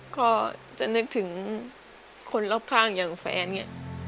ก็จะนึกถึงคนรอบข้างอย่างแฟนไง